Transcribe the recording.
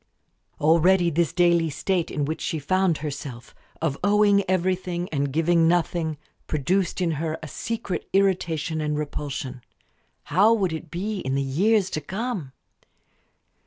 Already this daily state in which she found herself of owing everything and giving nothing produced in her a secret irritation and repulsion; how would it be in the years to come?